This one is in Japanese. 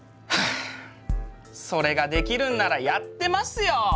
あそれができるんならやってますよ！